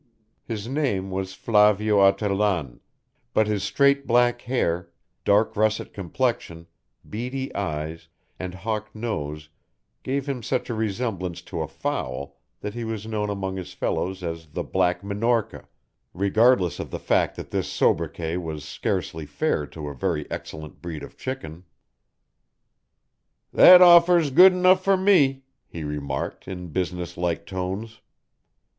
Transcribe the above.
His name was Flavio Artelan, but his straight black hair, dark russet complexion, beady eyes, and hawk nose gave him such a resemblance to a fowl that he was known among his fellows as the Black Minorca, regardless of the fact that this sobriquet was scarcely fair to a very excellent breed of chicken. "That offer's good enough for me," he remarked in businesslike tones.